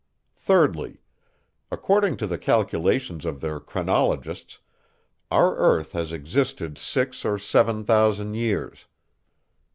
3rdly. According to the calculations of their chronologists, our earth has existed six or seven thousand years.